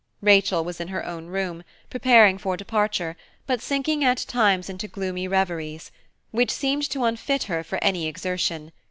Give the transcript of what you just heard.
Rachel was in her own room, preparing for departure, but sinking at times into gloomy reveries, which seemed to unfit her for any exertion.